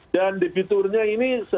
dan debiturnya ini